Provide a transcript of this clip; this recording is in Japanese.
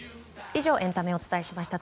以上エンタメをお伝えしました。